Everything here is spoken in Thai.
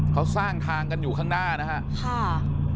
เขาสร้างทางกันอยู่ข้างหน้านะครับ